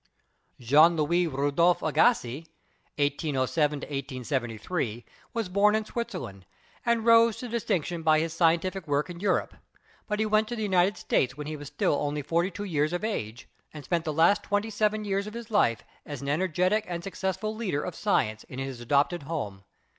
Jean Louis Rodolphe Agassiz (1807 1873) was born in Switzerland, and rose to distinction by his scientific work in Europe, but he went to the United States when he was still only forty two years of age, and spent the last twenty seven years of his life as an energetic and suc cessful leader of science in his adopted home.